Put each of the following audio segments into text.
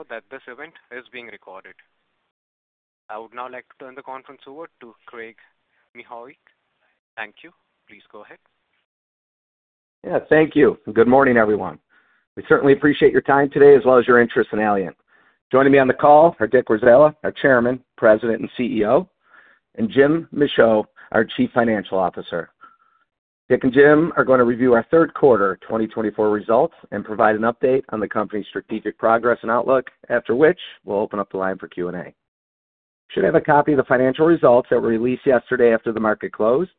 Note that this event is being recorded. I would now like to turn the conference over to Craig Mychajluk. Thank you. Please go ahead. Yeah, thank you. Good morning, everyone. We certainly appreciate your time today, as well as your interest in Allient. Joining me on the call are Dick Warzala, our Chairman, President, and CEO, and Jim Michaud, our Chief Financial Officer. Dick and Jim are going to review our third quarter 2024 results and provide an update on the company's strategic progress and outlook, after which we'll open up the line for Q&A. Should you have a copy of the financial results that were released yesterday after the market closed?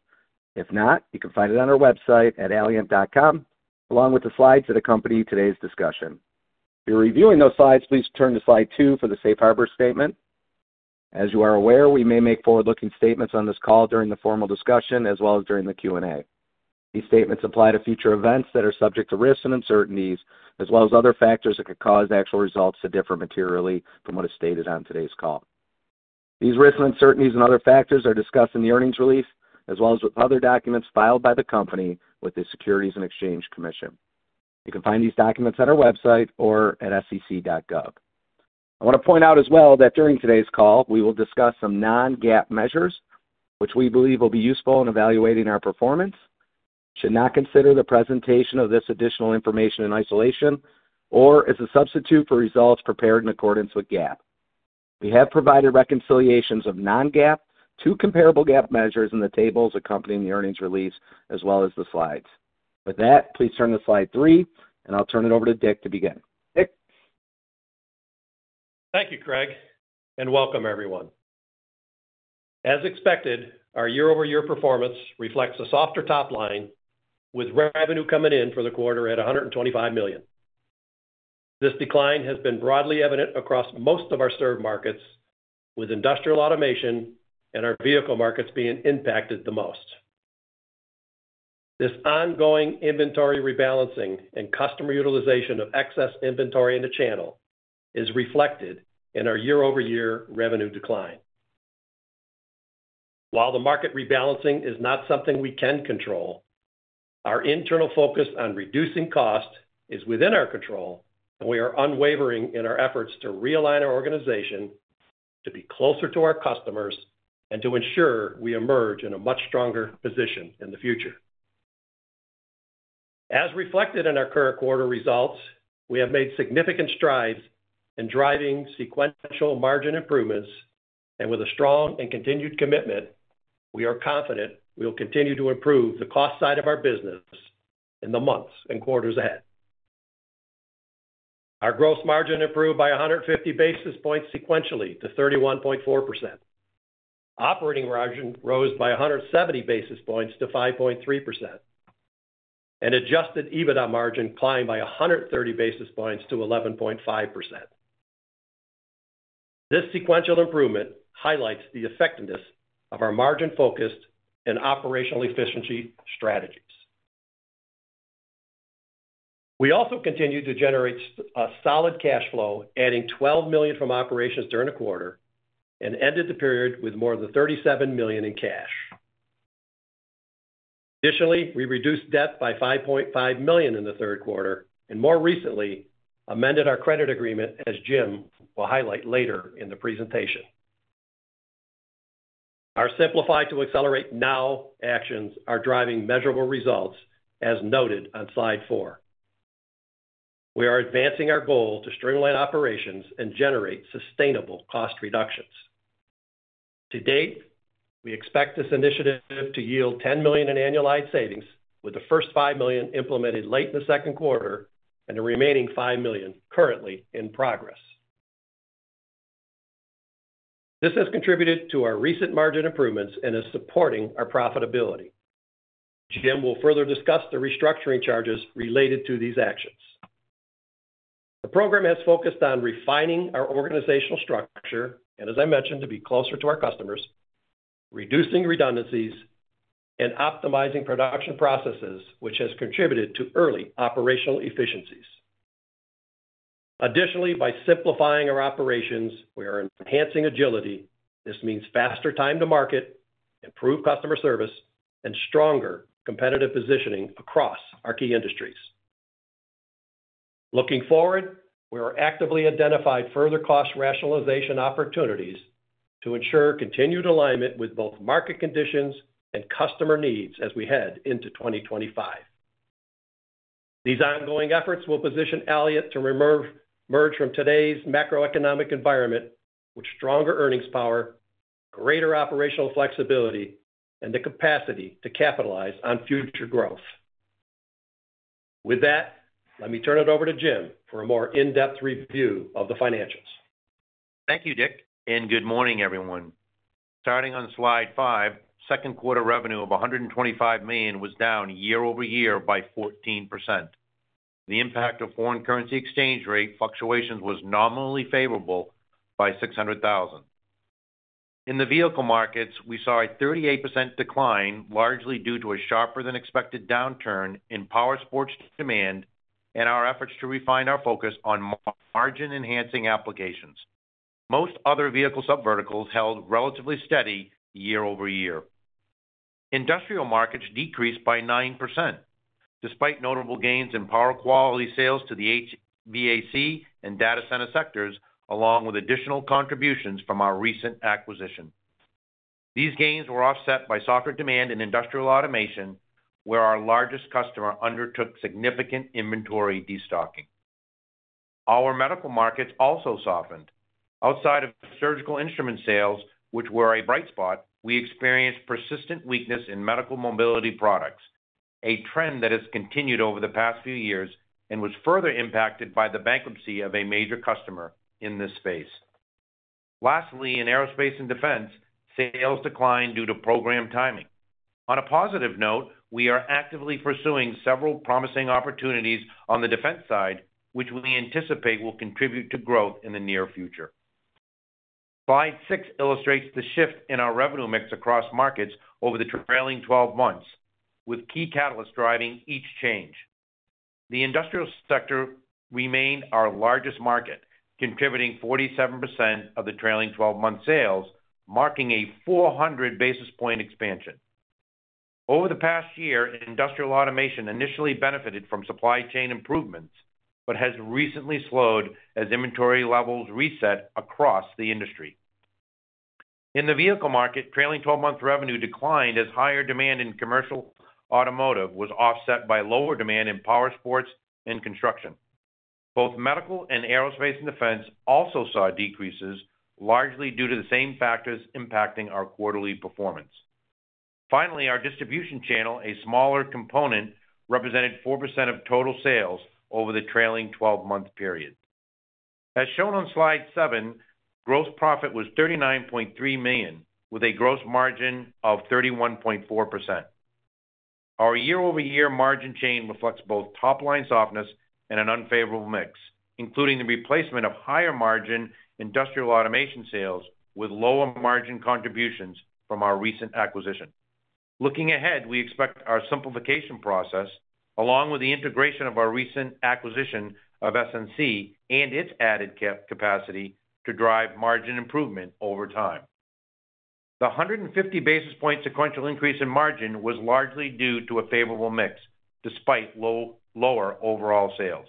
If not, you can find it on our website at allient.com, along with the slides that accompany today's discussion. If you're reviewing those slides, please turn to slide two for the Safe Harbor statement. As you are aware, .e may make forward-looking statements on this call during the formal discussion, as well as during the Q&A. These statements apply to future events that are subject to risks and uncertainties, as well as other factors that could cause the actual results to differ materially from what is stated on today's call. These risks, uncertainties, and other factors are discussed in the earnings release, as well as in other documents filed by the company with the U.S. Securities and Exchange Commission. You can find these documents at our website or at sec.gov. I want to point out as well that during today's call, we will discuss some non-GAAP measures, which we believe will be useful in evaluating our performance. You should not consider the presentation of this additional information in isolation or as a substitute for results prepared in accordance with GAAP. We have provided reconciliations of non-GAAP to comparable GAAP measures in the tables accompanying the earnings release, as well as the slides. With that, please turn to slide three, and I'll turn it over to Dick to begin. Dick. Thank you, Craig, and welcome, everyone. As expected, our year-over-year performance reflects a softer top line, with revenue coming in for the quarter at $125 million. This decline has been broadly evident across most of our served markets, with industrial automation and our vehicle markets being impacted the most. This ongoing inventory rebalancing and customer utilization of excess inventory in the channel is reflected in our year-over-year revenue decline. While the market rebalancing is not something we can control, our internal focus on reducing cost is within our control, and we are unwavering in our efforts to realign our organization to be closer to our customers and to ensure we emerge in a much stronger position in the future. As reflected in our current quarter results, we have made significant strides in driving sequential margin improvements, and with a strong and continued commitment, we are confident we will continue to improve the cost side of our business in the months and quarters ahead. Our gross margin improved by 150 basis points sequentially to 31.4%. Operating margin rose by 170 basis points to 5.3%, and adjusted EBITDA margin climbed by 130 basis points to 11.5%. This sequential improvement highlights the effectiveness of our margin-focused and operational efficiency strategies. We also continued to generate a solid cash flow, adding $12 million from operations during the quarter and ended the period with more than $37 million in cash. Additionally, we reduced debt by $5.5 million in the third quarter and, more recently, amended our credit agreement, as Jim will highlight later in the presentation. Our Simplify to Accelerate Now actions are driving measurable results, as noted on slide four. We are advancing our goal to streamline operations and generate sustainable cost reductions. To date, we expect this initiative to yield $10 million in annualized savings, with the first $5 million implemented late in the second quarter and the remaining $5 million currently in progress. This has contributed to our recent margin improvements and is supporting our profitability. Jim will further discuss the restructuring charges related to these actions. The program has focused on refining our organizational structure and, as I mentioned, to be closer to our customers, reducing redundancies and optimizing production processes, which has contributed to early operational efficiencies. Additionally, by simplifying our operations, we are enhancing agility. This means faster time to market, improved customer service, and stronger competitive positioning across our key industries. Looking forward, we are actively identifying further cost rationalization opportunities to ensure continued alignment with both market conditions and customer needs as we head into 2025. These ongoing efforts will position Allient to emerge from today's macroeconomic environment with stronger earnings power, greater operational flexibility, and the capacity to capitalize on future growth. With that, let me turn it over to Jim for a more in-depth review of the financials. Thank you, Dick, and good morning, everyone. Starting on slide five, second quarter revenue of $125 million was down year-over-year by 14%. The impact of foreign currency exchange rate fluctuations was nominally favorable by $600,000. In the vehicle markets, we saw a 38% decline, largely due to a sharper-than-expected downturn in powersports demand and our efforts to refine our focus on margin-enhancing applications. Most other vehicle sub-verticals held relatively steady year-over-year. Industrial markets decreased by 9%, despite notable gains in power quality sales to the HVAC and data center sectors, along with additional contributions from our recent acquisition. These gains were offset by softer demand in industrial automation, where our largest customer undertook significant inventory destocking. Our medical markets also softened. Outside of surgical instrument sales, which were a bright spot, we experienced persistent weakness in medical mobility products, a trend that has continued over the past few years and was further impacted by the bankruptcy of a major customer in this space. Lastly, in aerospace and defense, sales declined due to program timing. On a positive note, we are actively pursuing several promising opportunities on the defense side, which we anticipate will contribute to growth in the near future. Slide six illustrates the shift in our revenue mix across markets over the trailing 12 months, with key catalysts driving each change. The industrial sector remained our largest market, contributing 47% of the trailing 12-month sales, marking a 400-basis-point expansion. Over the past year, industrial automation initially benefited from supply chain improvements but has recently slowed as inventory levels reset across the industry. In the vehicle market, trailing 12-month revenue declined as higher demand in commercial automotive was offset by lower demand in powersports and construction. Both medical and aerospace and defense also saw decreases, largely due to the same factors impacting our quarterly performance. Finally, our distribution channel, a smaller component, represented 4% of total sales over the trailing 12-month period. As shown on slide seven, gross profit was $39.3 million, with a gross margin of 31.4%. Our year-over-year margin chain reflects both top-line softness and an unfavorable mix, including the replacement of higher-margin industrial automation sales with lower-margin contributions from our recent acquisition. Looking ahead, we expect our simplification process, along with the integration of our recent acquisition of SNC and its added capacity, to drive margin improvement over time. The 150 basis point sequential increase in margin was largely due to a favorable mix, despite lower overall sales.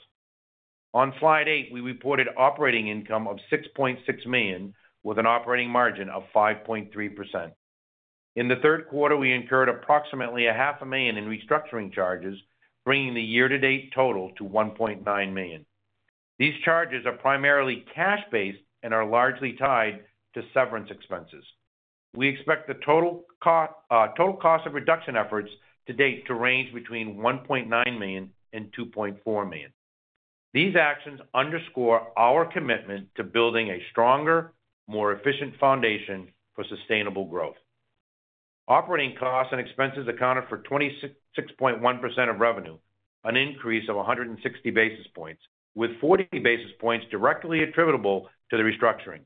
On slide eight, we reported operating income of $6.6 million, with an operating margin of 5.3%. In the third quarter, we incurred approximately $500,000 in restructuring charges, bringing the year-to-date total to $1.9 million. These charges are primarily cash-based and are largely tied to severance expenses. We expect the total cost of reduction efforts to date to range between $1.9 million and $2.4 million. These actions underscore our commitment to building a stronger, more efficient foundation for sustainable growth. Operating costs and expenses accounted for 26.1% of revenue, an increase of 160 basis points, with 40 basis points directly attributable to the restructuring.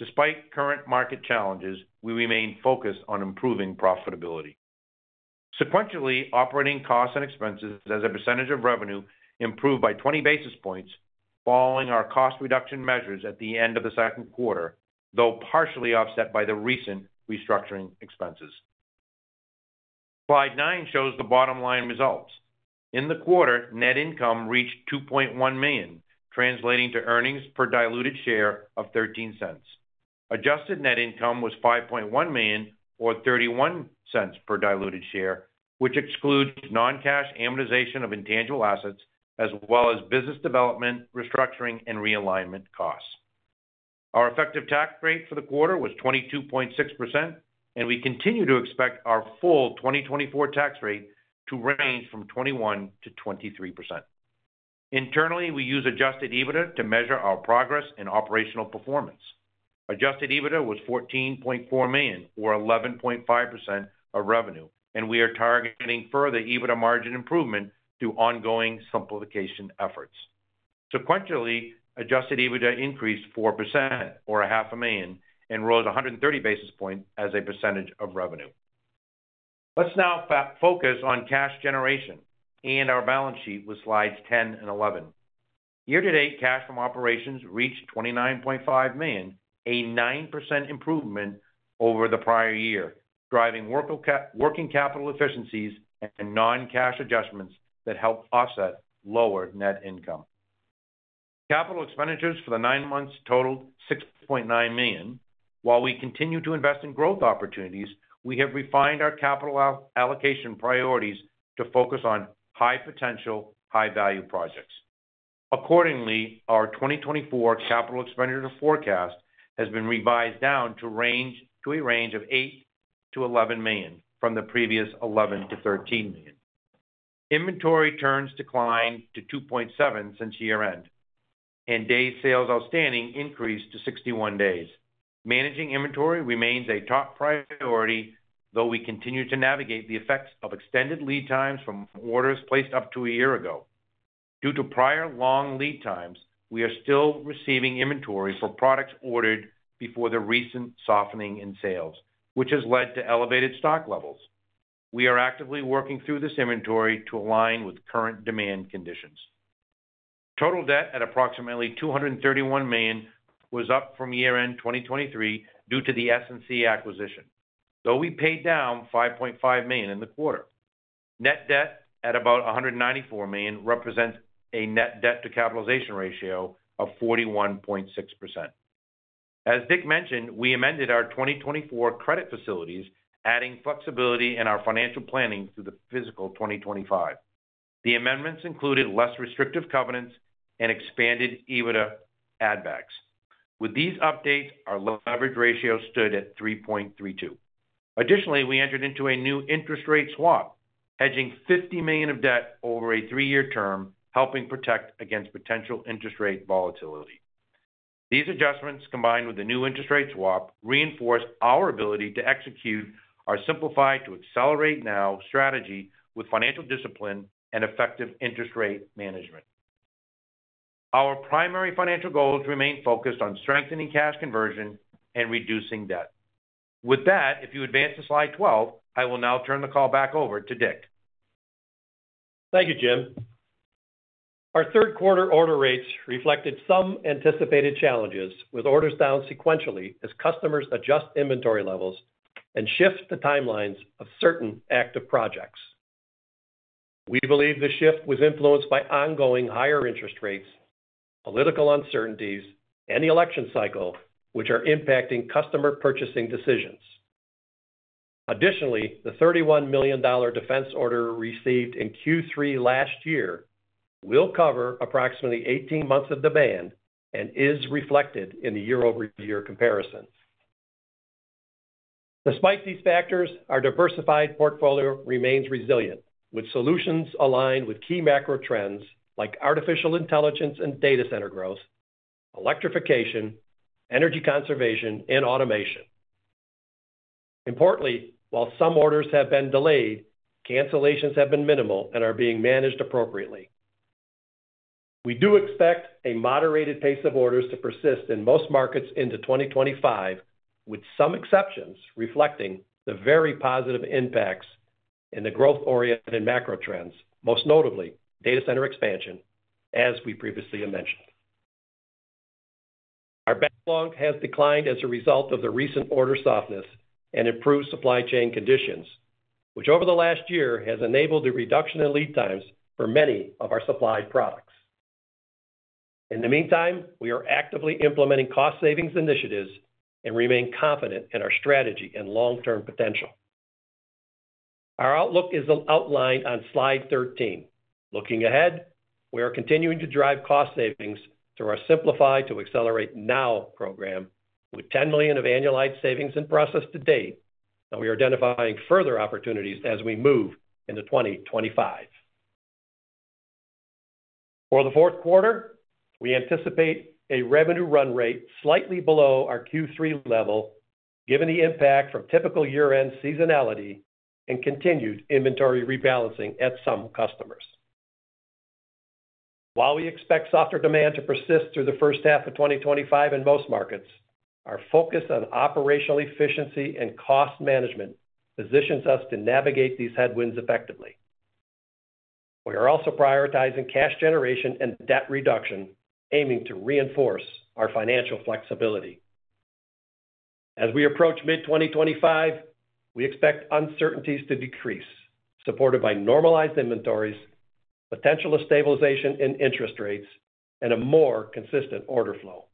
Despite current market challenges, we remain focused on improving profitability. Sequentially, operating costs and expenses, as a percentage of revenue, improved by 20 basis points following our cost reduction measures at the end of the second quarter, though partially offset by the recent restructuring expenses. Slide nine shows the bottom-line results. In the quarter, net income reached $2.1 million, translating to earnings per diluted share of $0.13. Adjusted net income was $5.1 million, or $0.31 per diluted share, which excludes non-cash amortization of intangible assets, as well as business development, restructuring, and realignment costs. Our effective tax rate for the quarter was 22.6%, and we continue to expect our full 2024 tax rate to range from 21%-23%. Internally, we use adjusted EBITDA to measure our progress in operational performance. Adjusted EBITDA was $14.4 million, or 11.5% of revenue, and we are targeting further EBITDA margin improvement through ongoing simplification efforts. Sequentially, adjusted EBITDA increased 4%, or $500,000, and rose 130 basis points as a percentage of revenue. Let's now focus on cash generation and our balance sheet with slides 10 and 11. Year-to-date cash from operations reached $29.5 million, a 9% improvement over the prior year, driving working capital efficiencies and non-cash adjustments that help offset lower net income. Capital expenditures for the nine months totaled $6.9 million. While we continue to invest in growth opportunities, we have refined our capital allocation priorities to focus on high-potential, high-value projects. Accordingly, our 2024 capital expenditure forecast has been revised down to a range of $8-$11 million from the previous $11-$13 million. Inventory turns declined to 2.7 since year-end, and day sales outstanding increased to 61 days. Managing inventory remains a top priority, though we continue to navigate the effects of extended lead times from orders placed up to a year ago. Due to prior long lead times, we are still receiving inventory for products ordered before the recent softening in sales, which has led to elevated stock levels. We are actively working through this inventory to align with current demand conditions. Total debt at approximately $231 million was up from year-end 2023 due to the S&C acquisition, though we paid down $5.5 million in the quarter. Net debt at about $194 million represents a net debt-to-capitalization ratio of 41.6%. As Dick mentioned, we amended our 2024 credit facilities, adding flexibility in our financial planning through the fiscal 2025. The amendments included less restrictive covenants and expanded EBITDA add-backs. With these updates, our leverage ratio stood at 3.32. Additionally, we entered into a new interest rate swap, hedging $50 million of debt over a three-year term, helping protect against potential interest rate volatility. These adjustments, combined with the new interest rate swap, reinforce our ability to execute our Simplify-to-Accelerate-Now strategy with financial discipline and effective interest rate management. Our primary financial goals remain focused on strengthening cash conversion and reducing debt. With that, if you advance to slide 12, I will now turn the call back over to Dick. Thank you, Jim. Our third quarter order rates reflected some anticipated challenges, with orders down sequentially as customers adjust inventory levels and shift the timelines of certain active projects. We believe the shift was influenced by ongoing higher interest rates, political uncertainties, and the election cycle, which are impacting customer purchasing decisions. Additionally, the $31 million defense order received in Q3 last year will cover approximately 18 months of demand and is reflected in the year-over-year comparison. Despite these factors, our diversified portfolio remains resilient, with solutions aligned with key macro trends like artificial intelligence and data center growth, electrification, energy conservation, and automation. Importantly, while some orders have been delayed, cancellations have been minimal and are being managed appropriately. We do expect a moderated pace of orders to persist in most markets into 2025, with some exceptions reflecting the very positive impacts in the growth-oriented macro trends, most notably data center expansion, as we previously mentioned. Our backlog has declined as a result of the recent order softness and improved supply chain conditions, which over the last year has enabled the reduction in lead times for many of our supplied products. In the meantime, we are actively implementing cost savings initiatives and remain confident in our strategy and long-term potential. Our outlook is outlined on slide 13. Looking ahead, we are continuing to drive cost savings through our Simplify to Accelerate Now program, with $10 million of annualized savings in process to date, and we are identifying further opportunities as we move into 2025. For the fourth quarter, we anticipate a revenue run rate slightly below our Q3 level, given the impact from typical year-end seasonality and continued inventory rebalancing at some customers. While we expect softer demand to persist through the first half of 2025 in most markets, our focus on operational efficiency and cost management positions us to navigate these headwinds effectively. We are also prioritizing cash generation and debt reduction, aiming to reinforce our financial flexibility. As we approach mid-2025, we expect uncertainties to decrease, supported by normalized inventories, potential of stabilization in interest rates, and a more consistent order flow.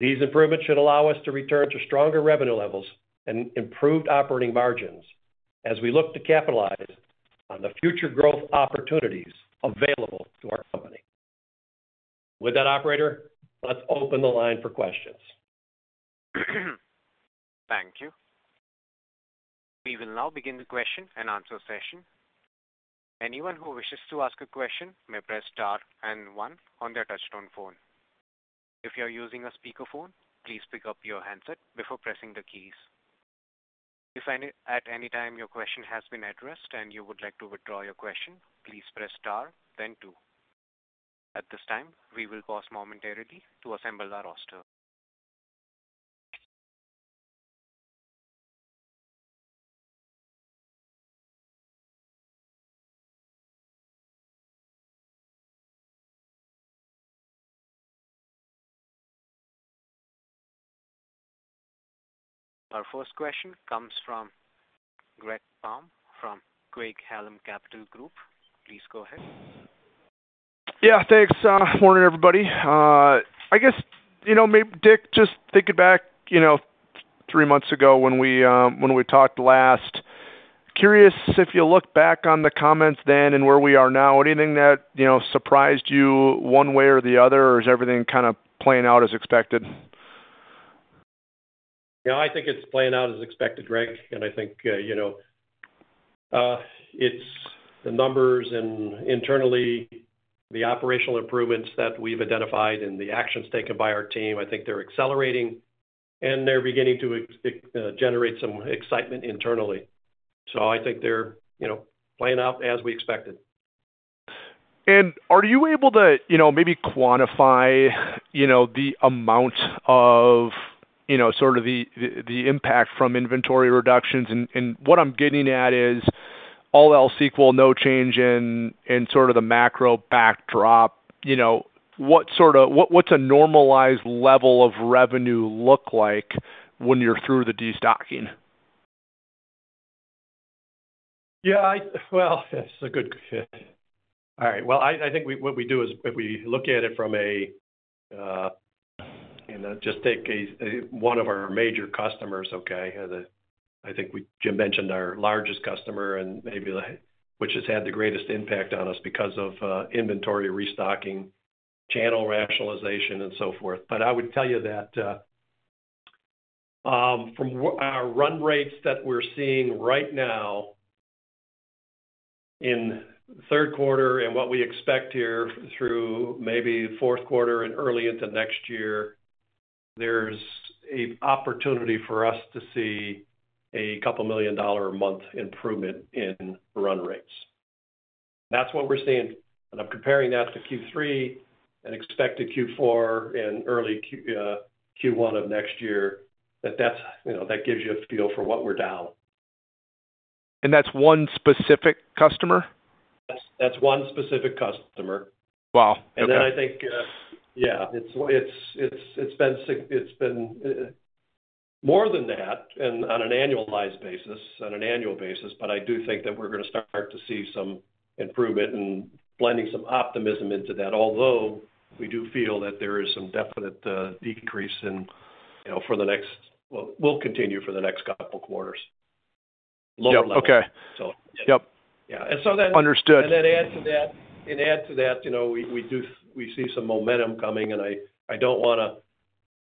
These improvements should allow us to return to stronger revenue levels and improved operating margins as we look to capitalize on the future growth opportunities available to our company. With that, Operator, let's open the line for questions. Thank you. We will now begin the question and answer session. Anyone who wishes to ask a question may press star and one on their touch-tone phone. If you're using a speakerphone, please pick up your handset before pressing the keys. If at any time your question has been addressed and you would like to withdraw your question, please press star, then two. At this time, we will pause momentarily to assemble our roster. Our first question comes from Greg Palm from Craig-Hallum Capital Group. Please go ahead. Yeah, thanks. Morning, everybody. I guess, you know, Dick, just thinking back, you know, three months ago when we talked last, curious if you look back on the comments then and where we are now, anything that surprised you one way or the other, or is everything kind of playing out as expected? Yeah, I think it's playing out as expected, Greg, and I think, you know, it's the numbers and internally, the operational improvements that we've identified and the actions taken by our team, I think they're accelerating and they're beginning to generate some excitement internally, so I think they're playing out as we expected. Are you able to maybe quantify the amount of sort of the impact from inventory reductions? What I'm getting at is all else equal, no change in sort of the macro backdrop. What's a normalized level of revenue look like when you're through the destocking? Yeah, well, that's a good question. All right. Well, I think what we do is if we look at it from a, and just take one of our major customers, okay, as I think Jim mentioned our largest customer and maybe which has had the greatest impact on us because of inventory destocking, channel rationalization, and so forth. But I would tell you that from our run rates that we're seeing right now in the third quarter and what we expect here through maybe fourth quarter and early into next year, there's an opportunity for us to see a $2 million a month improvement in run rates. That's what we're seeing. And I'm comparing that to Q3 and expected Q4 and early Q1 of next year, that gives you a feel for what we're down. That's one specific customer? That's one specific customer. Wow. And then I think, yeah, it's been more than that on an annualized basis, on an annual basis, but I do think that we're going to start to see some improvement and blending some optimism into that, although we do feel that there is some definite decrease for the next, well, we'll continue for the next couple of quarters. Yeah. Okay. Yeah, and so then. Understood. And then add to that, we see some momentum coming, and I want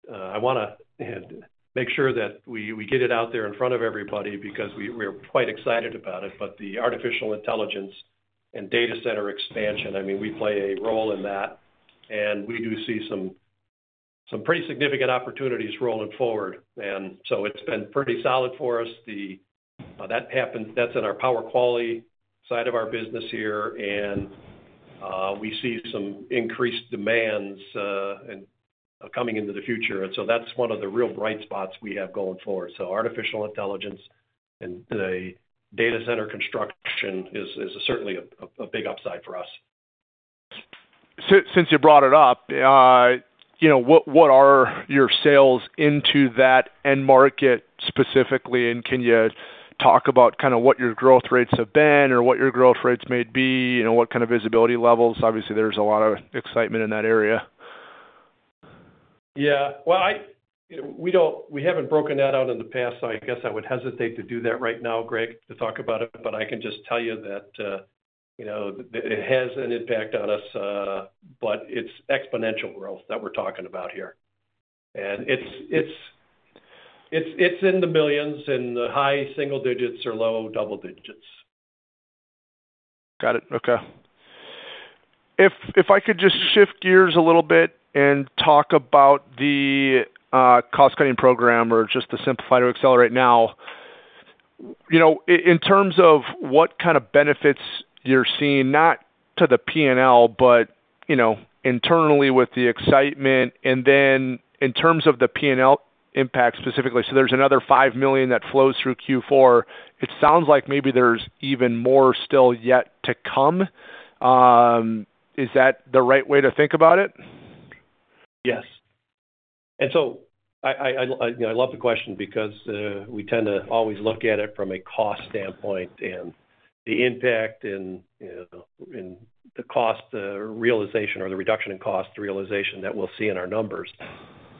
to make sure that we get it out there in front of everybody because we are quite excited about it. But the artificial intelligence and data center expansion, I mean, we play a role in that, and we do see some pretty significant opportunities rolling forward. And so it's been pretty solid for us. That's in our power quality side of our business here, and we see some increased demands coming into the future. And so that's one of the real bright spots we have going forward. So artificial intelligence and the data center construction is certainly a big upside for us. Since you brought it up, what are your sales into that end market specifically? And can you talk about kind of what your growth rates have been or what your growth rates may be? What kind of visibility levels? Obviously, there's a lot of excitement in that area. Yeah. Well, we haven't broken that out in the past. I guess I would hesitate to do that right now, Greg, to talk about it, but I can just tell you that it has an impact on us, but it's exponential growth that we're talking about here. And it's in the millions and the high single digits or low double digits. Got it. Okay. If I could just shift gears a little bit and talk about the cost-cutting program or just the Simplify to Accelerate Now, in terms of what kind of benefits you're seeing, not to the P&L, but internally with the excitement, and then in terms of the P&L impact specifically. So there's another $5 million that flows through Q4. It sounds like maybe there's even more still yet to come. Is that the right way to think about it? Yes. And so I love the question because we tend to always look at it from a cost standpoint and the impact and the cost realization or the reduction in cost realization that we'll see in our numbers.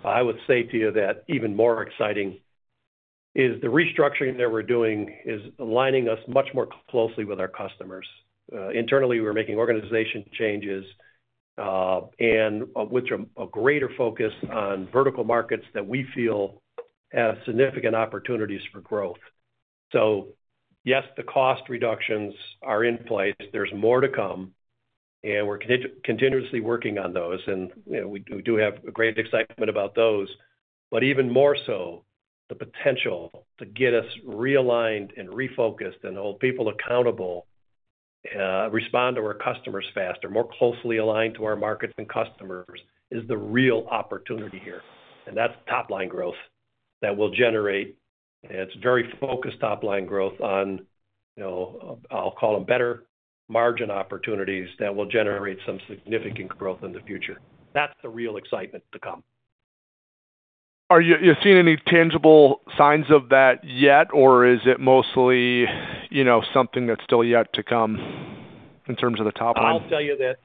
I would say to you that even more exciting is the restructuring that we're doing, is aligning us much more closely with our customers. Internally, we're making organization changes with a greater focus on vertical markets that we feel have significant opportunities for growth. So yes, the cost reductions are in place. There's more to come, and we're continuously working on those. And we do have great excitement about those. But even more so, the potential to get us realigned and refocused and hold people accountable, respond to our customers faster, more closely aligned to our markets and customers is the real opportunity here. And that's top-line growth that will generate, and it's very focused top-line growth on, I'll call them, better margin opportunities that will generate some significant growth in the future. That's the real excitement to come. Are you seeing any tangible signs of that yet, or is it mostly something that's still yet to come in terms of the top line? I'll tell you that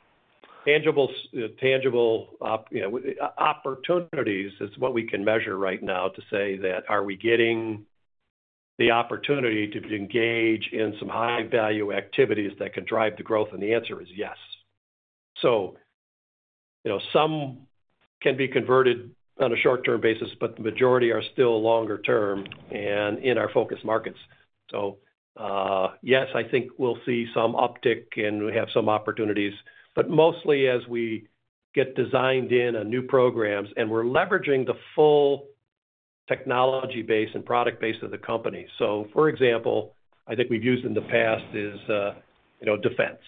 tangible opportunities is what we can measure right now to say that are we getting the opportunity to engage in some high-value activities that can drive the growth? And the answer is yes. So some can be converted on a short-term basis, but the majority are still longer-term and in our focus markets. So yes, I think we'll see some uptick and we have some opportunities, but mostly as we get designed in a new program and we're leveraging the full technology base and product base of the company. So for example, I think we've used in the past is defense.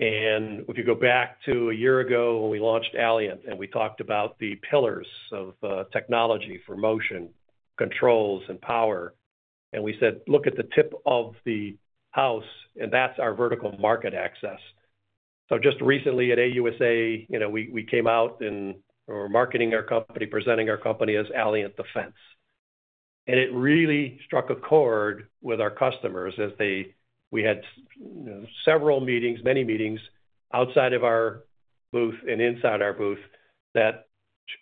And if you go back to a year ago when we launched Allient and we talked about the pillars of technology for motion, controls, and power, and we said, "Look at the tip of the house," and that's our vertical market access. So just recently at AUSA, we came out and we're marketing our company, presenting our company as Allient Defense. And it really struck a chord with our customers as we had several meetings, many meetings outside of our booth and inside our booth that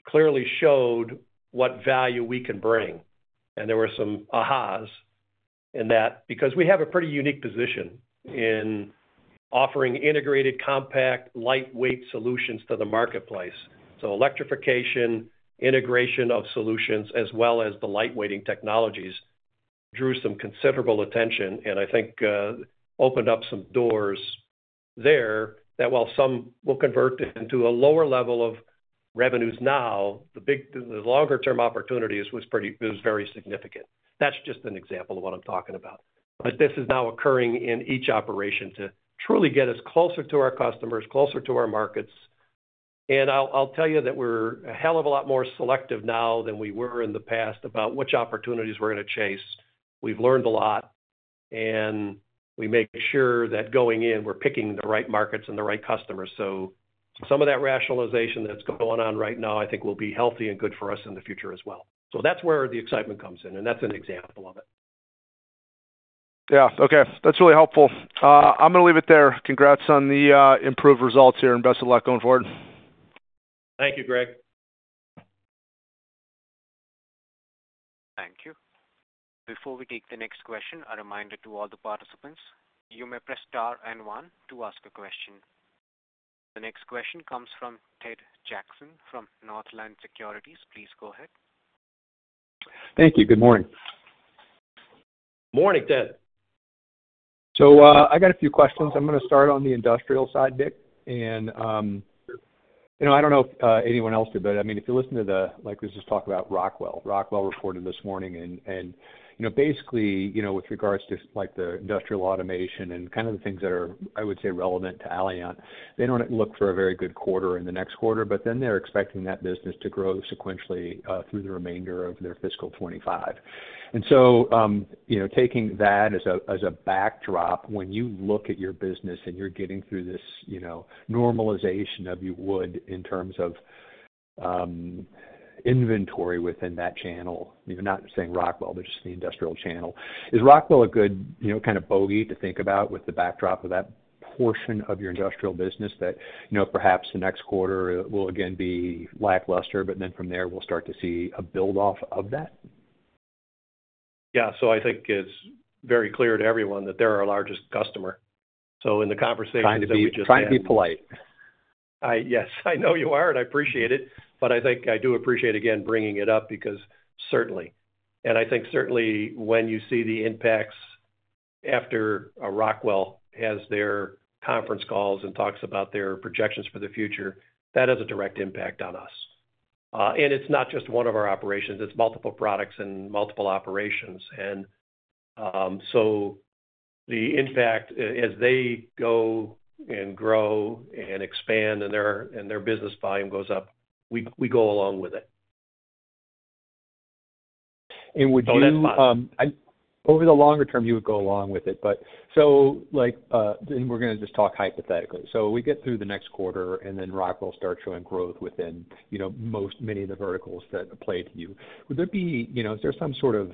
clearly showed what value we can bring. And there were some ahas in that because we have a pretty unique position in offering integrated, compact, lightweight solutions to the marketplace. So electrification, integration of solutions, as well as the lightweighting technologies drew some considerable attention and I think opened up some doors there that while some will convert into a lower level of revenues now, the longer-term opportunities was very significant. That's just an example of what I'm talking about. But this is now occurring in each operation to truly get us closer to our customers, closer to our markets. I'll tell you that we're a hell of a lot more selective now than we were in the past about which opportunities we're going to chase. We've learned a lot, and we make sure that going in, we're picking the right markets and the right customers. Some of that rationalization that's going on right now, I think, will be healthy and good for us in the future as well. That's where the excitement comes in, and that's an example of it. Yeah. Okay. That's really helpful. I'm going to leave it there. Congrats on the improved results here, and best of luck going forward. Thank you, Greg. Thank you. Before we take the next question, a reminder to all the participants, you may press star and one to ask a question. The next question comes from Ted Jackson from Northland Securities. Please go ahead. Thank you. Good morning. Morning, Ted. I got a few questions. I'm going to start on the industrial side, Dick, and I don't know if anyone else did, but I mean, if you listen to the, like we just talked about, Rockwell. Rockwell reported this morning, and basically, with regards to the industrial automation and kind of the things that are, I would say, relevant to Allient, they don't look for a very good quarter in the next quarter, but then they're expecting that business to grow sequentially through the remainder of their fiscal 2025. And so taking that as a backdrop, when you look at your business and you're getting through this normalization of your book in terms of inventory within that channel, not saying Rockwell, but just the industrial channel, is Rockwell a good kind of bogey to think about with the backdrop of that portion of your industrial business that perhaps the next quarter will again be lackluster, but then from there, we'll start to see a build-off of that? Yeah. So I think it's very clear to everyone that they're our largest customer. So in the conversation that we just had. Trying to be polite. Yes, I know you are, and I appreciate it. But I think I do appreciate, again, bringing it up because certainly, and I think certainly when you see the impacts after Rockwell has their conference calls and talks about their projections for the future, that has a direct impact on us. And it's not just one of our operations. It's multiple products and multiple operations. And so the impact, as they go and grow and expand and their business volume goes up, we go along with it. Would you? So that's my. Over the longer term, you would go along with it. So then we're going to just talk hypothetically. So we get through the next quarter and then Rockwell starts showing growth within many of the verticals that play to you. Would there be? Is there some sort of?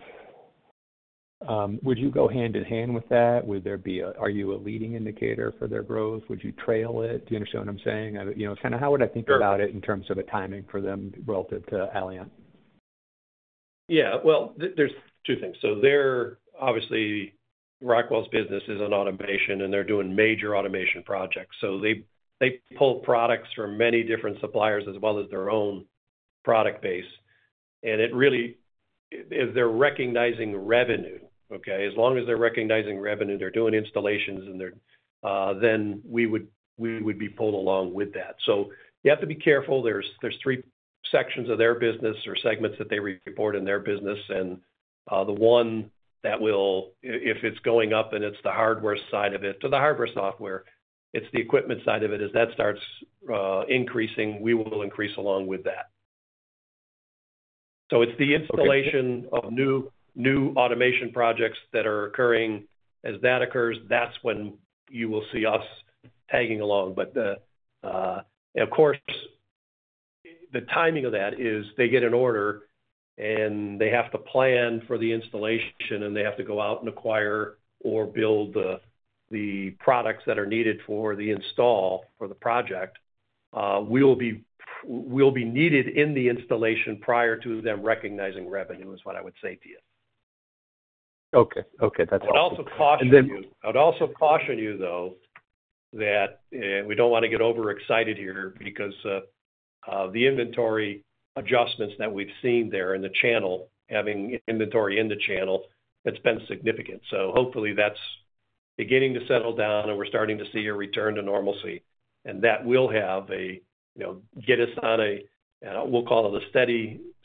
Would you go hand in hand with that? Would there be a? Are you a leading indicator for their growth? Would you trail it? Do you understand what I'm saying? Kind of how would I think about it in terms of a timing for them relative to Allient? Yeah. Well, there's two things. So obviously, Rockwell's business is in automation, and they're doing major automation projects. So they pull products from many different suppliers as well as their own product base. And it really is they're recognizing revenue, okay? As long as they're recognizing revenue, they're doing installations, then we would be pulled along with that. So you have to be careful. There's three sections of their business or segments that they report in their business. And the one that will, if it's going up and it's the hardware side of it, so the hardware software, it's the equipment side of it. As that starts increasing, we will increase along with that. So it's the installation of new automation projects that are occurring. As that occurs, that's when you will see us tagging along. Of course, the timing of that is they get an order and they have to plan for the installation, and they have to go out and acquire or build the products that are needed for the install for the project. We'll be needed in the installation prior to them recognizing revenue, is what I would say to you. Okay. Okay. That's helpful. I'd also caution you, though, that we don't want to get overexcited here because the inventory adjustments that we've seen there in the channel, having inventory in the channel, it's been significant. So hopefully, that's beginning to settle down, and we're starting to see a return to normalcy. And that will have a, get us on a, we'll call it a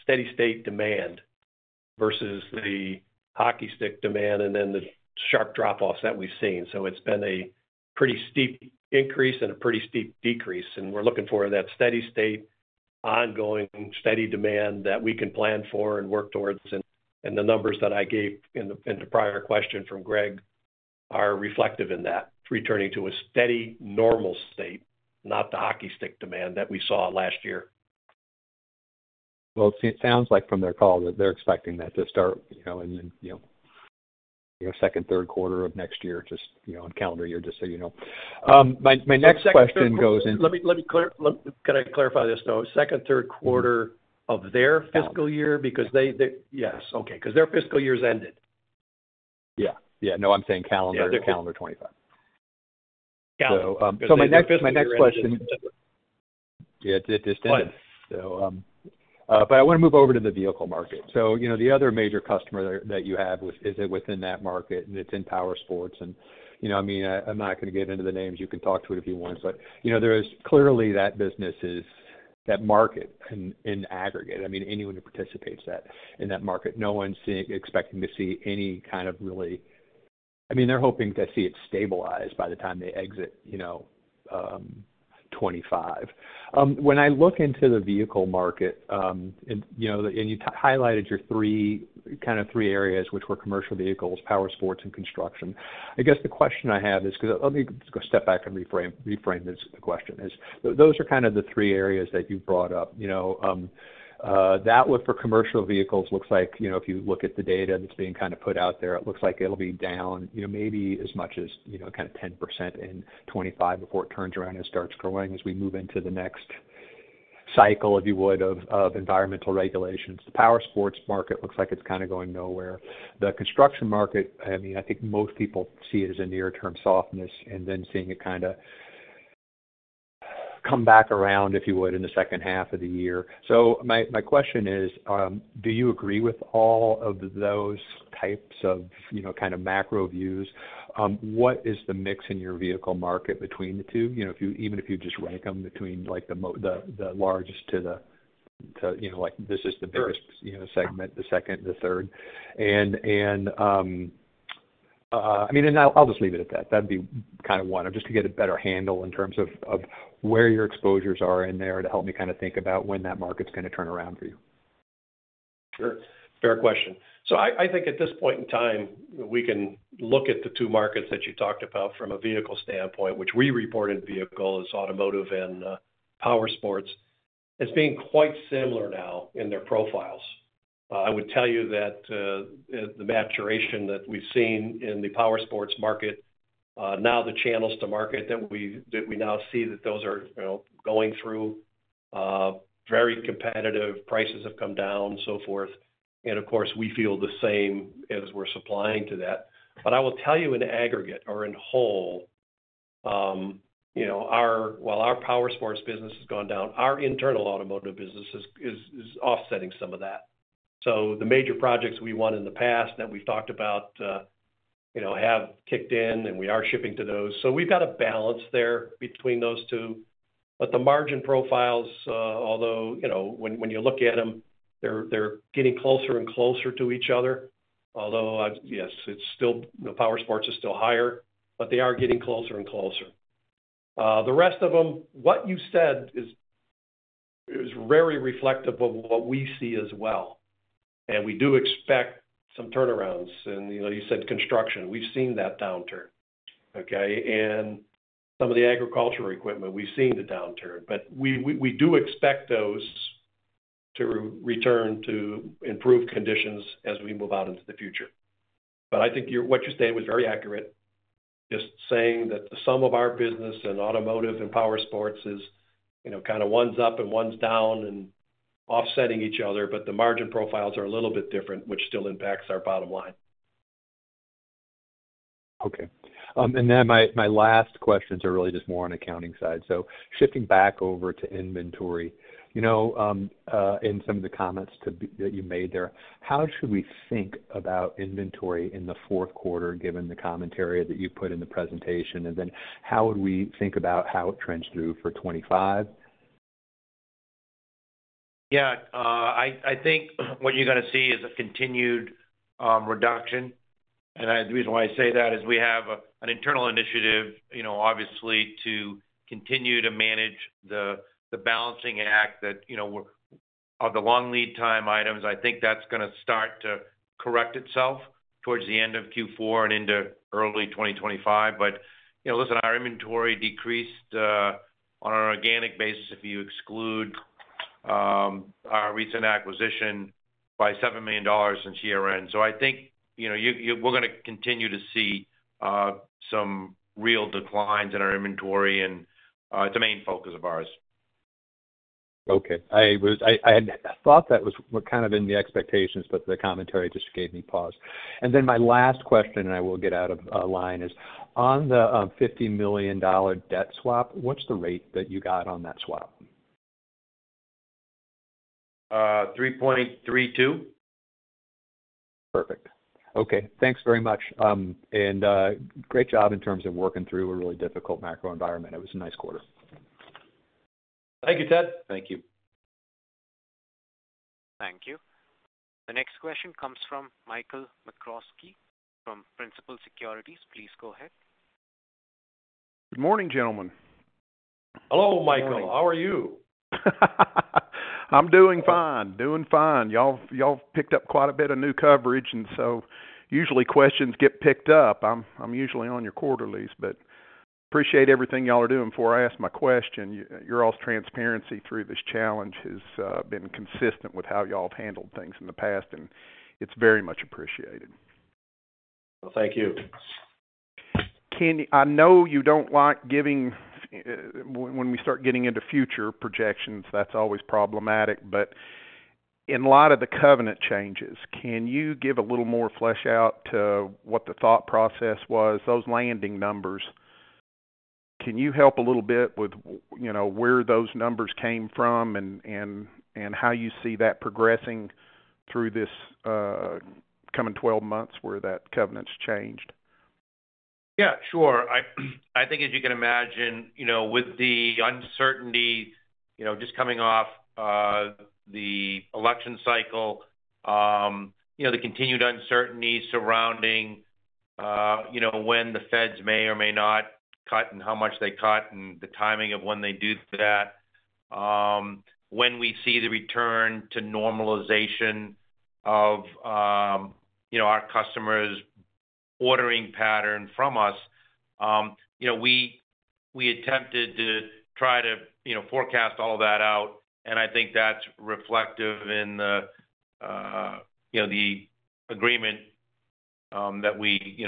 steady-state demand versus the hockey stick demand and then the sharp drop-offs that we've seen. So it's been a pretty steep increase and a pretty steep decrease. And we're looking for that steady-state, ongoing, steady demand that we can plan for and work towards. And the numbers that I gave in the prior question from Greg are reflective in that, returning to a steady normal state, not the hockey stick demand that we saw last year. It sounds like from their call that they're expecting that to start in the second, third quarter of next year, just on calendar year, just so you know. My next question goes into. Can I clarify this, though? Second, third quarter of their fiscal year because they, yes. Okay. Because their fiscal year's ended. Yeah. No, I'm saying calendar 2025, so my next question. Yeah. It just ended. But I want to move over to the vehicle market. So the other major customer that you have is within that market, and it's in power sports. And I mean, I'm not going to get into the names. You can talk to it if you want. But clearly, that business is that market in aggregate. I mean, anyone who participates in that market, no one's expecting to see any kind of really, I mean, they're hoping to see it stabilize by the time they exit 2025. When I look into the vehicle market, and you highlighted your kind of three areas, which were commercial vehicles, power sports, and construction, I guess the question I have is, let me just go step back and reframe the question, is those are kind of the three areas that you brought up. That one for commercial vehicles looks like, if you look at the data that's being kind of put out there, it looks like it'll be down maybe as much as kind of 10% in 2025 before it turns around and starts growing as we move into the next cycle, if you would, of environmental regulations. The power sports market looks like it's kind of going nowhere. The construction market, I mean, I think most people see it as a near-term softness and then seeing it kind of come back around, if you would, in the second half of the year. So my question is, do you agree with all of those types of kind of macro views? What is the mix in your vehicle market between the two, even if you just rank them between the largest to the—like this is the biggest segment, the second, the third? I mean, I'll just leave it at that. That'd be kind of one, just to get a better handle in terms of where your exposures are in there to help me kind of think about when that market's going to turn around for you. Sure. Fair question. So I think at this point in time, we can look at the two markets that you talked about from a vehicle standpoint, which we report in vehicles, automotive and power sports as being quite similar now in their profiles. I would tell you that the maturation that we've seen in the power sports market, now the channels to market that we now see that those are going through, very competitive, prices have come down, so forth, and of course, we feel the same as we're supplying to that, but I will tell you in aggregate or in whole, while our power sports business has gone down, our internal automotive business is offsetting some of that. So the major projects we won in the past that we've talked about have kicked in, and we are shipping to those. So we've got a balance there between those two. But the margin profiles, although when you look at them, they're getting closer and closer to each other. Although, yes, the power sports is still higher, but they are getting closer and closer. The rest of them, what you said is very reflective of what we see as well. And we do expect some turnarounds. And you said construction. We've seen that downturn, okay? And some of the agricultural equipment, we've seen the downturn. But we do expect those to return to improved conditions as we move out into the future. But I think what you stated was very accurate, just saying that the sum of our business in automotive and power sports is kind of one's up and one's down and offsetting each other, but the margin profiles are a little bit different, which still impacts our bottom line. Okay. And then my last questions are really just more on accounting side. So shifting back over to inventory, in some of the comments that you made there, how should we think about inventory in the fourth quarter given the commentary that you put in the presentation? And then how would we think about how it trends through for 2025? Yeah. I think what you're going to see is a continued reduction, and the reason why I say that is we have an internal initiative, obviously, to continue to manage the balancing act of the long lead time items. I think that's going to start to correct itself towards the end of Q4 and into early 2025, but listen, our inventory decreased on an organic basis if you exclude our recent acquisition by $7 million since year-end. So I think we're going to continue to see some real declines in our inventory, and it's a main focus of ours. Okay. I had thought that was kind of in the expectations, but the commentary just gave me pause. And then my last question, and I will get out of line is, on the $50 million debt swap, what's the rate that you got on that swap? 3.32. Perfect. Okay. Thanks very much, and great job in terms of working through a really difficult macro environment. It was a nice quarter. Thank you, Ted. Thank you. Thank you. The next question comes from Michael McCroskey from Principal Securities. Please go ahead. Good morning, gentlemen. Hello, Michael. How are you? I'm doing fine. Doing fine. Y'all picked up quite a bit of new coverage, and so usually questions get picked up. I'm usually on your quarterlies, but appreciate everything y'all are doing. Before I ask my question, y'all's transparency through this challenge has been consistent with how y'all have handled things in the past, and it's very much appreciated. Thank you. I know you don't like giving when we start getting into future projections, that's always problematic. But in light of the covenant changes, can you give a little more flesh out to what the thought process was, those landing numbers? Can you help a little bit with where those numbers came from and how you see that progressing through this coming 12 months where that covenant's changed? Yeah, sure. I think, as you can imagine, with the uncertainty just coming off the election cycle, the continued uncertainty surrounding when the Feds may or may not cut and how much they cut and the timing of when they do that, when we see the return to normalization of our customers' ordering pattern from us, we attempted to try to forecast all of that out, and I think that's reflective in the agreement that we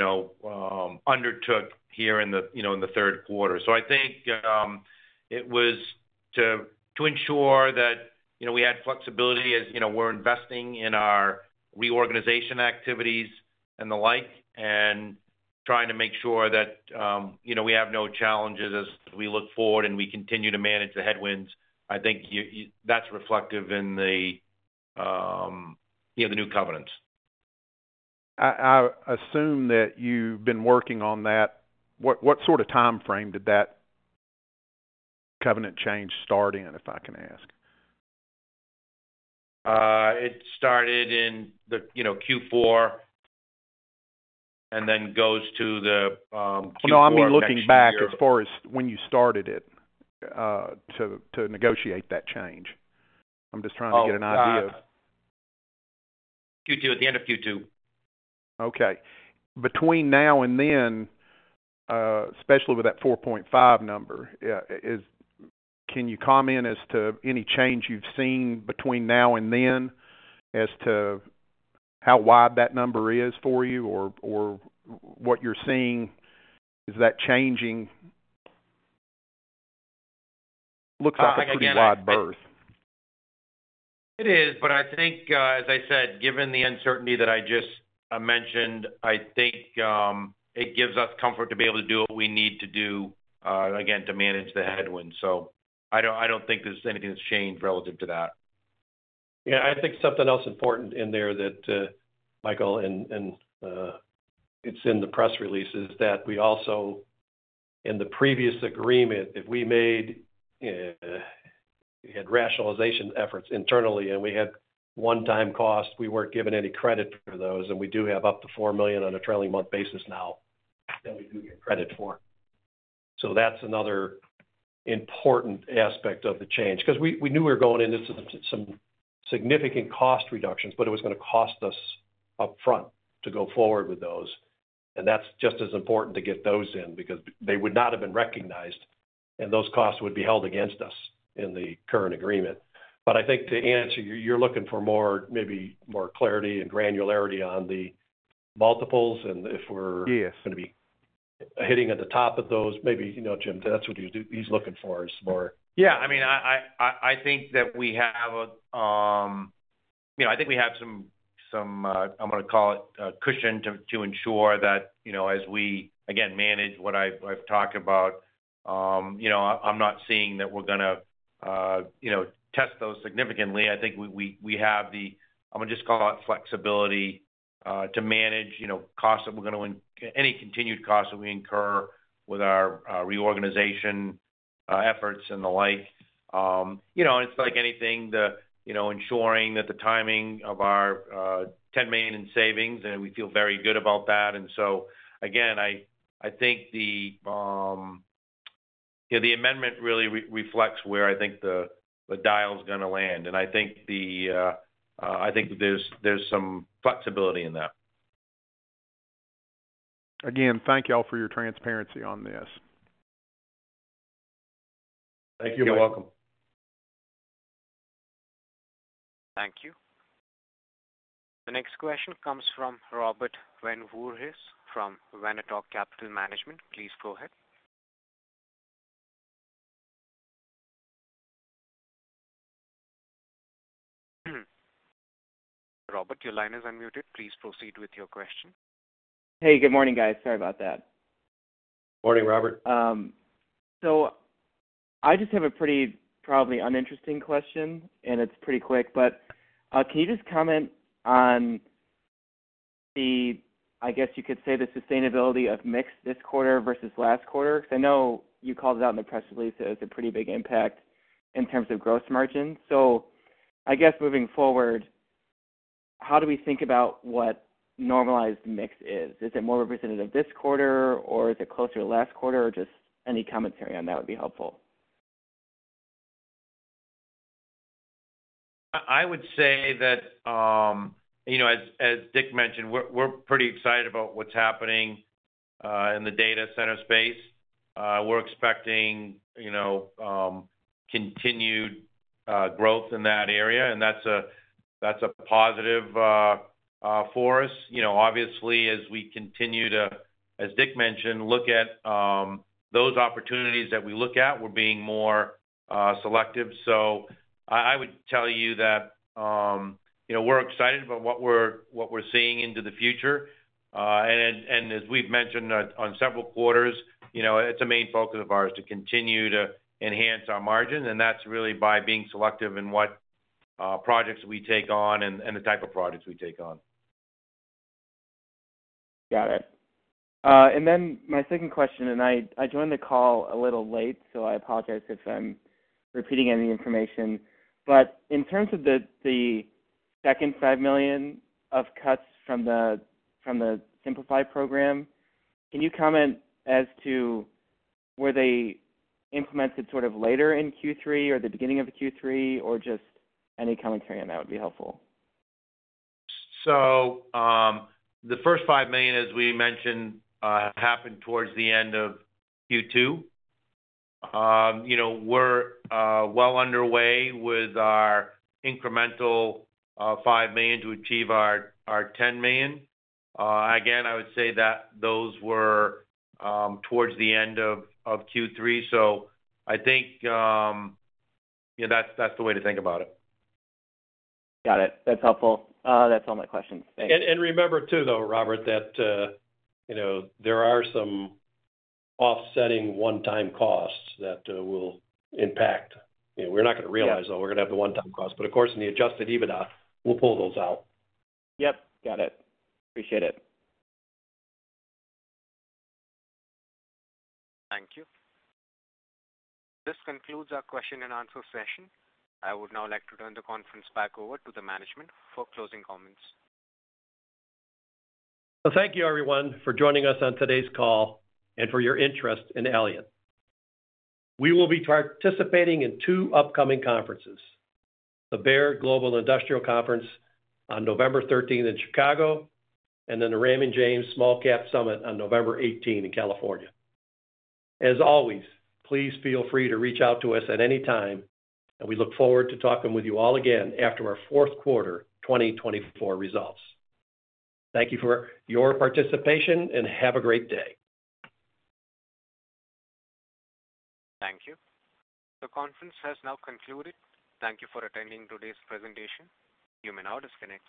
undertook here in the third quarter, so I think it was to ensure that we had flexibility as we're investing in our reorganization activities and the like and trying to make sure that we have no challenges as we look forward and we continue to manage the headwinds. I think that's reflective in the new covenants. I assume that you've been working on that. What sort of timeframe did that covenant change start in, if I can ask? It started in Q4 and then goes to the Q2. No, I mean, looking back as far as when you started it to negotiate that change. I'm just trying to get an idea of. Q2, at the end of Q2. Okay. Between now and then, especially with that 4.5 number, can you comment as to any change you've seen between now and then as to how wide that number is for you or what you're seeing? Is that changing? Looks like a pretty wide berth. It is. But I think, as I said, given the uncertainty that I just mentioned, I think it gives us comfort to be able to do what we need to do, again, to manage the headwinds. So I don't think there's anything that's changed relative to that. Yeah. I think something else important in there that, Michael, and it's in the press release, is that we also, in the previous agreement, if we had rationalization efforts internally and we had one-time costs, we weren't given any credit for those. And we do have up to $4 million on a trailing month basis now that we do get credit for. So that's another important aspect of the change because we knew we were going into some significant cost reductions, but it was going to cost us upfront to go forward with those. And that's just as important to get those in because they would not have been recognized, and those costs would be held against us in the current agreement. But I think the answer, you're looking for maybe more clarity and granularity on the multiples and if we're going to be hitting at the top of those. Maybe, Jim, that's what he's looking for is more. Yeah. I mean, I think that we have a—I think we have some, I'm going to call it, cushion to ensure that as we, again, manage what I've talked about, I'm not seeing that we're going to test those significantly. I think we have the—I'm going to just call it flexibility to manage costs that we're going to—any continued costs that we incur with our reorganization efforts and the like. And it's like anything, ensuring that the timing of our $10 million in savings, and we feel very good about that. And so, again, I think the amendment really reflects where I think the dial is going to land. And I think there's some flexibility in that. Again, thank y'all for your transparency on this. Thank you. You're welcome. Thank you. The next question comes from Robert Winworhis from Winternitz Capital Management. Please go ahead. Robert, your line is unmuted. Please proceed with your question. Hey, good morning, guys. Sorry about that. Morning, Robert. I just have a pretty probably uninteresting question, and it's pretty quick. But can you just comment on the, I guess you could say, the sustainability of mix this quarter versus last quarter? Because I know you called it out in the press release, it was a pretty big impact in terms of gross margins. I guess moving forward, how do we think about what normalized mix is? Is it more representative this quarter, or is it closer to last quarter? Or just any commentary on that would be helpful. I would say that, as Dick mentioned, we're pretty excited about what's happening in the data center space. We're expecting continued growth in that area, and that's a positive for us. Obviously, as we continue to, as Dick mentioned, look at those opportunities that we look at, we're being more selective. So I would tell you that we're excited about what we're seeing into the future. And as we've mentioned on several quarters, it's a main focus of ours to continue to enhance our margins. And that's really by being selective in what projects we take on and the type of projects we take on. Got it. And then my second question, and I joined the call a little late, so I apologize if I'm repeating any information. But in terms of the second $5 million of cuts from the Simplify program, can you comment as to were they implemented sort of later in Q3 or the beginning of Q3, or just any commentary on that would be helpful? So the first $5 million, as we mentioned, happened towards the end of Q2. We're well underway with our incremental $5 million to achieve our $10 million. Again, I would say that those were towards the end of Q3. So I think that's the way to think about it. Got it. That's helpful. That's all my questions. Thanks. And remember too, though, Robert, that there are some offsetting one-time costs that will impact. We're not going to realize all we're going to have the one-time costs. But of course, in the Adjusted EBITDA, we'll pull those out. Yep. Got it. Appreciate it. Thank you. This concludes our question and answer session. I would now like to turn the conference back over to the management for closing comments. Thank you, everyone, for joining us on today's call and for your interest in Allient. We will be participating in two upcoming conferences: the Baird Global Industrial Conference on November 13th in Chicago and then the Raymond James Small Cap Summit on November 18th in California. As always, please feel free to reach out to us at any time, and we look forward to talking with you all again after our fourth quarter 2024 results. Thank you for your participation, and have a great day. Thank you. The conference has now concluded. Thank you for attending today's presentation. You may now disconnect.